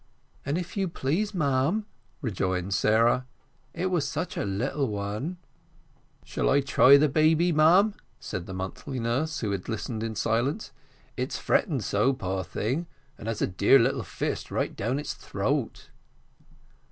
"And if you please, ma'am," rejoined Sarah, "it was such a little one." "Shall I try the baby, ma'am?" said the monthly nurse, who had listened in silence. "It is fretting so, poor thing, and has its dear little fist right down its throat."